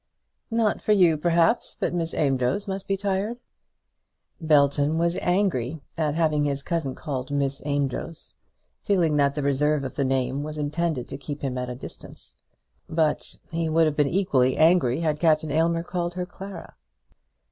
"Not for you, perhaps; but Miss Amedroz must be tired." Belton was angry at having his cousin called Miss Amedroz, feeling that the reserve of the name was intended to keep him at a distance. But he would have been equally angry had Aylmer called her Clara.